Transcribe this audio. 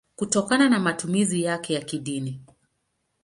kutokana na matumizi yake ya kidini.